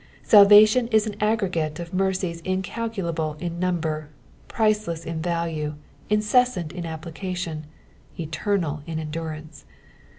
Salvation is an aggregate of mercies incalculable in number, priceless in value, incessant in application, eternal in endurance.